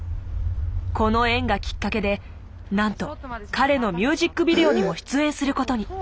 この縁がきっかけでなんと彼のミュージックビデオにも出演することに。